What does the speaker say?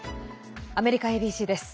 アメリカＡＢＣです。